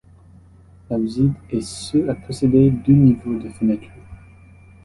L’abside est seule à posséder deux niveaux de fenêtres.